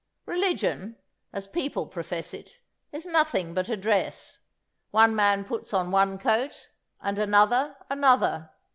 Religion, as people profess it, is nothing but a dress. One man puts on one coat, and another another.